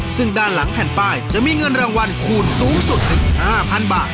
ซึ่งด้านหลังแผ่นป้ายจะมีเงินรางวัลคูณสูงสุดถึง๕๐๐๐บาท